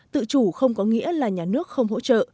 tự chủ không có nghĩa là nhà nước không hỗ trợ